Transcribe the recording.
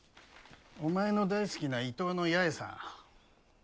お前の大好きな伊東の八重さん。